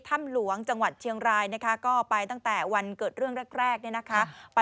ถ้ำหลวงจังหวัดเชียงรายนะคะก็ไปตั้งแต่วันเกิดเรื่องแรกเนี่ยนะคะ